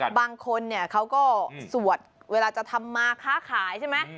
บางคนเนี่ยเขาก็สวดเวลาจะทำมาค้าขายใช่ไหม